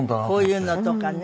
こういうのとかね。